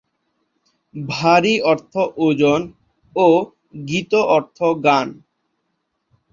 ভারী অর্থ ওজন ও গীত অর্থ গান।